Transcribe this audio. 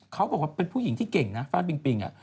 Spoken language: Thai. เขาบอกว่าเป็นผู้หญิงที่เก่งนะฟ่านปิงปิง